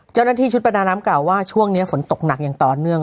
เจ้าหน้าที่ชุดประดาน้ำกล่าวว่าช่วงนี้ฝนตกหนักอย่างต่อเนื่อง